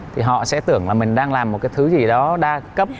thì họ sẽ tưởng là mình đang làm một cái thứ gì đó đa cấp